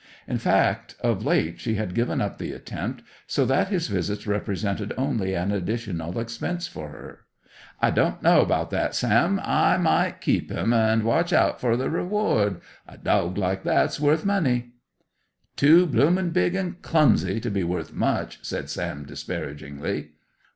In fact, of late she had given up the attempt, so that his visits represented only an additional expense for her. "I don' know about that, Sam. I might keep 'im, an' watch out fer the reward. A dawg like that's worth money." "Too bloomin' big an' clumsy to be worth much," said Sam disparagingly.